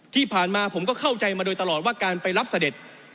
ที่ผ่านมาผมก็เข้าใจมาโดยตลอดว่าการไปรับเสด็จ